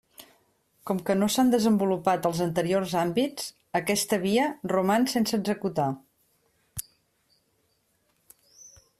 Com que no s'han desenvolupat els anteriors àmbits, aquesta via roman sense executar.